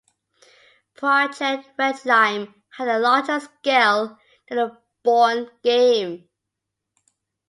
"Project Redlime" had a larger scale than the "Bourne" game.